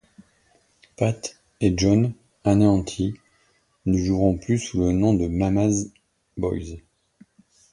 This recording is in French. Pat et John, anéantis, ne joueront plus sous le nom de Mama's Boys.